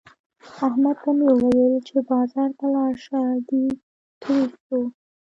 احمد ته مې وويل چې بازار ته ولاړ شه؛ دی تروش شو.